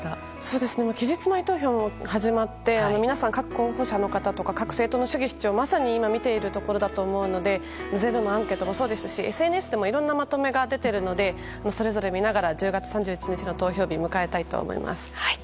期日前投票も始まって皆さん、各候補者とか各政党の主義主張を、まさに今見ているところだと思うので「ｚｅｒｏ」のアンケートもそうですしＳＮＳもいろいろまとめが出ているのでそれぞれ見ながら１０月３１日の投票日を迎えたいと思います。